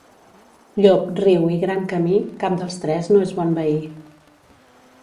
Llop, riu i gran camí, cap dels tres no és bon veí.